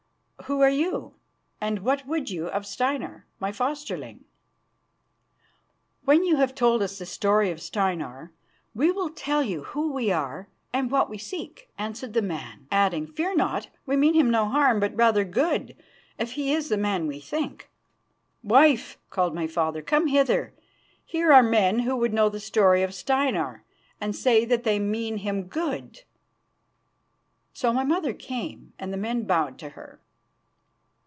Who are you, and what would you of Steinar, my fosterling" "When you have told us the story of Steinar we will tell you who we are and what we seek," answered the man, adding: "Fear not, we mean him no harm, but rather good if he is the man we think." "Wife," called my father, "come hither. Here are men who would know the story of Steinar, and say that they mean him good." So my mother came, and the men bowed to her.